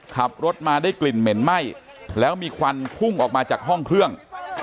ขับรถมาได้กลิ่นเหม็นไหม้แล้วมีควันพุ่งออกมาจากห้องเครื่อง